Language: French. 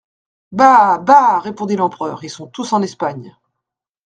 Bah ! bah ! répondit l'empereur, ils sont tous en Espagne.